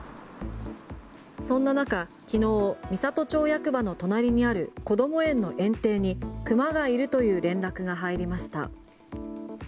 そんな中、昨日美郷町役場の隣にあるこども園の園庭に熊がいるという連絡が入りました。